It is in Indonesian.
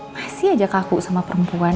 pasti aja kaku sama perempuan